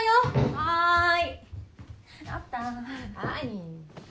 はい。